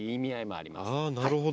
あなるほど。